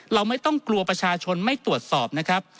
เราไม่ต้องกลัวประชาชนไม่ตรวจสอบนะครับ